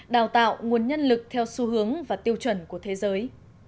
đào tạo nguồn nhân lực theo xu hướng và tiêu chuẩn của thế giới